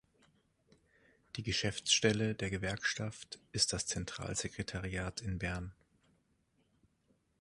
Die Geschäftsstelle der Gewerkschaft ist das Zentralsekretariat in Bern.